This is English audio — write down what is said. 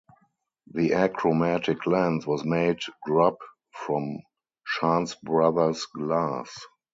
The achromatic lens was made Grubb from Chance Brothers glass.